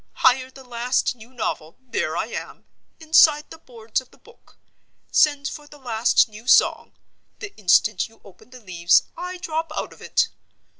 Hire the last new novel, there I am, inside the boards of the book. Send for the last new Song—the instant you open the leaves, I drop out of it.